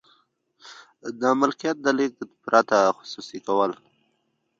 د ملکیت د لیږد پرته خصوصي کول.